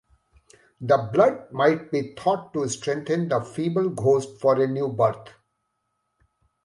The blood might be thought to strengthen the feeble ghost for a new birth.